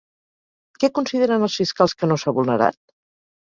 Què consideren els fiscals que no s'ha vulnerat?